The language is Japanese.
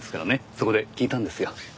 そこで聞いたんですよ。